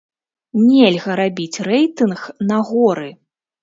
Нельга рабіць рэйтынг на горы.